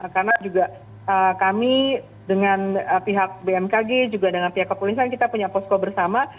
karena juga kami dengan pihak bmkg juga dengan pihak kepolisian kita punya posko bersama